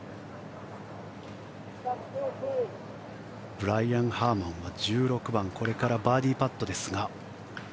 ブライアン・ハーマンは１６番これからバーディーパットですが。